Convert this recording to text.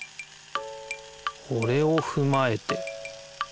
これをふまえて。